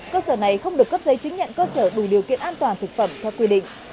cơ sở này không được cấp giấy chứng nhận cơ sở đủ điều kiện an toàn thực phẩm theo quy định